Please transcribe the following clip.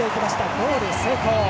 ゴール成功！